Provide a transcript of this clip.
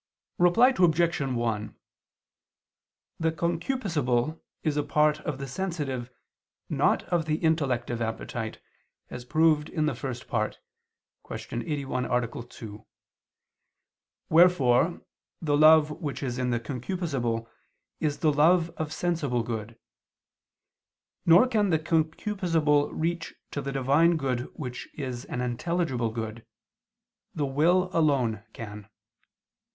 Reply Obj. 1: The concupiscible is a part of the sensitive, not of the intellective appetite, as proved in the First Part (Q. 81, A. 2): wherefore the love which is in the concupiscible, is the love of sensible good: nor can the concupiscible reach to the Divine good which is an intelligible good; the will alone can.